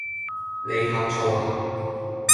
你呷醋呀?